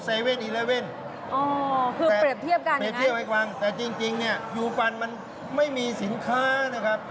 คือเปรียบเทียบกันอย่างไรครับเปรียบเทียบให้ฟังแต่จริงอยู่กันมันไม่มีสินค้านะครับ